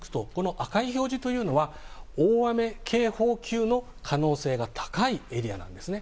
赤い表示は大雨警報級の可能性が高いエリアなんですね。